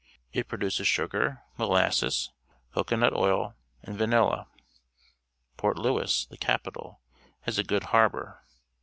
It produces sugar, molasses, cocoa nut oil, and vanilla. Port Louis, the capital, has a good harbour.